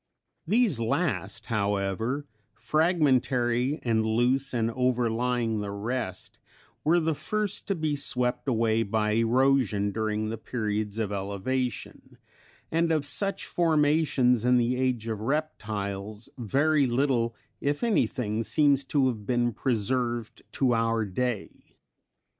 ] These last, however, fragmentary and loose and overlying the rest, were the first to be swept away by erosion during the periods of elevation; and of such formations in the Age of Reptiles very little, if anything, seems to have been preserved to our day.